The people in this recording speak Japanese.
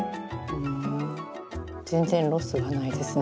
全然ロスがないですね。